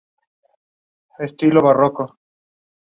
This was the biggest landslide in Philippine history.